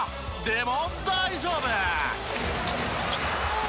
でも大丈夫！